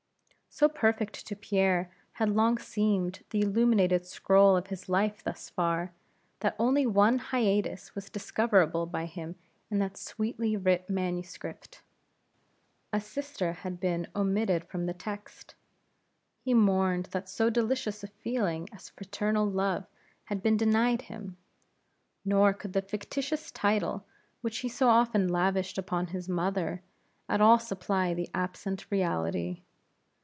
So perfect to Pierre had long seemed the illuminated scroll of his life thus far, that only one hiatus was discoverable by him in that sweetly writ manuscript. A sister had been omitted from the text. He mourned that so delicious a feeling as fraternal love had been denied him. Nor could the fictitious title, which he so often lavished upon his mother, at all supply the absent reality.